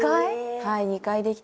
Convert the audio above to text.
はい２回できて。